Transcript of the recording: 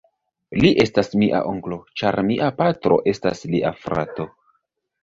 Li estas mia onklo, ĉar mia patro estas lia frato.